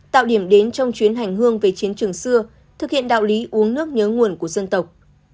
tạo điểm đến trong chuyến hành hương về chiến trường xưa thực hiện đạo lý uống nước nhớ nguồn của dân tộc